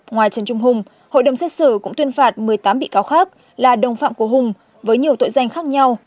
ngoài trần trung hùng hội đồng xét xử cũng tuyên phạt một mươi tám bị cáo khác là đồng phạm của hùng với nhiều tội danh khác nhau